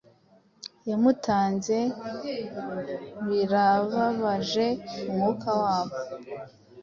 yamutanze birababaje umwuka wabo